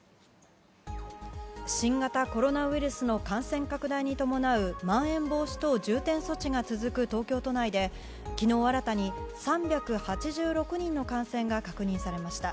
新型コロナウイルスの感染拡大に伴うまん延防止等重点措置が続く東京都内で昨日新たに３８６人の感染が確認されました。